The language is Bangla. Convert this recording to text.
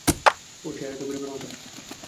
ওর চেহারাই ত গরিবের মতো।